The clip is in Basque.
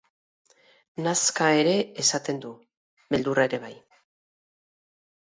Nazka ere esaten du, beldurra ere bai.